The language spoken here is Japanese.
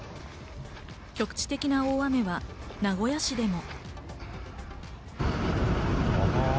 局地的な大雨は名古屋市でも。